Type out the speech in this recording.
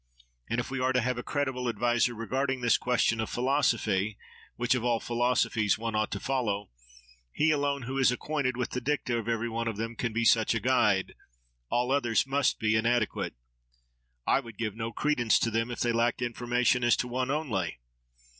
And if we are to have a credible adviser regarding this question of philosophy—which of all philosophies one ought to follow—he alone who is acquainted with the dicta of every one of them can be such a guide: all others must be inadequate. I would give no credence to them if they lacked information as to one only.